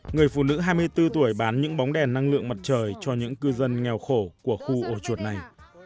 người phụ nữ hai mươi bốn tuổi bán những bóng đèn năng lượng mặt trời cho những cư dân nghèo khổ của khu ổ chuột này